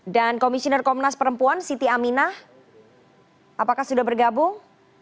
dan komisioner komnas perempuan siti aminah apakah sudah bergabung